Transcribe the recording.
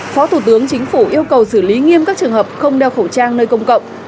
phó thủ tướng chính phủ yêu cầu xử lý nghiêm các trường hợp không đeo khẩu trang nơi công cộng